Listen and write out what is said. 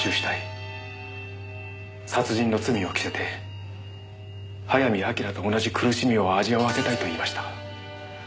「殺人の罪を着せて早見明と同じ苦しみを味わわせたい」と言いました。